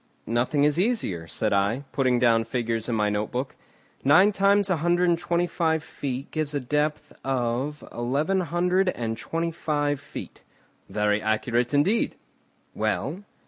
"Nothing is easier," said I, putting down figures in my note book. "Nine times a hundred and twenty five feet gives a depth of eleven hundred and twenty five feet." "Very accurate indeed." "Well?"